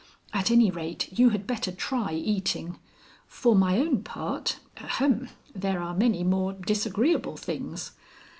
At anyrate you had better try eating. For my own part ahem! there are many more disagreeable things."